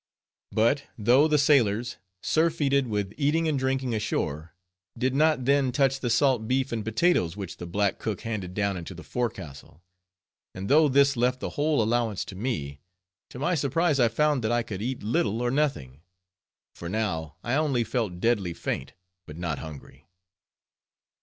But though the sailors, surfeited with eating and drinking ashore, did not then touch the salt beef and potatoes which the black cook handed down into the forecastle; and though this left the whole allowance to me; to my surprise, I found that I could eat little or nothing; for now I only felt deadly faint, but not hungry.